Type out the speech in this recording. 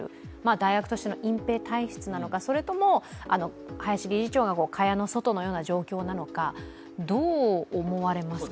大学としての隠蔽体質なのかそれとも林理事長が蚊帳の外のような状況なのか、どう思われますか？